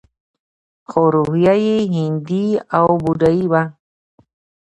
خو روحیه یې هندي او بودايي وه